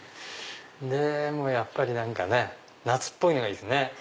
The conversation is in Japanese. でもやっぱり何かね夏っぽいのがいいですね。